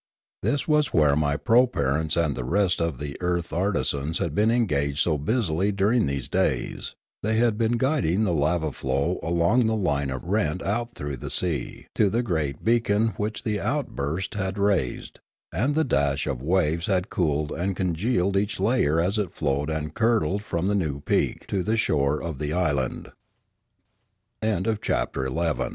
This was where my proparents and the rest of the earth artisans had been engaged so busily during these days; they had been guiding the lava flow along the line of rent out through the sea to the great beacon which the outburst had raised; and the dash of the waves had cooled and congealed each layer as it flowed and curdled from the new peak to the shore of